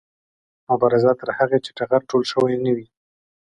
مبارزه تر هغې چې ټغر ټول شوی نه وي